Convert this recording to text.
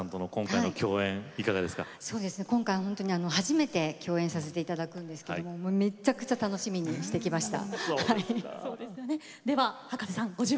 今回、初めて共演させていただくんですけどめちゃくちゃ楽しみにしてきました。